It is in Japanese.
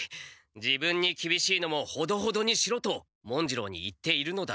自分にきびしいのもほどほどにしろと文次郎に言っているのだ。